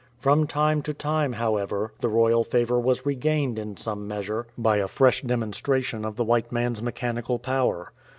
From time to time, how ever, the royal favour was regained in some measure by a 109 A BROBDINGNAGIAN COFFIN fresh demonstrcation of the white man's mechanical power.